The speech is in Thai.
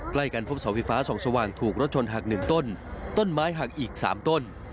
ใกล้กันพบเสาไฟฟ้าส่องสว่างถูกรถชนหักหนึ่งต้นต้นไม้หักอีก๓ต้น